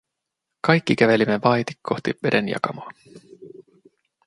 Kaikki kävelimme vaiti kohti vedenjakamoa.